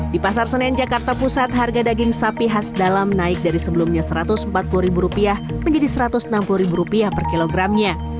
di pasar senen jakarta pusat harga daging sapi khas dalam naik dari sebelumnya rp satu ratus empat puluh menjadi rp satu ratus enam puluh per kilogramnya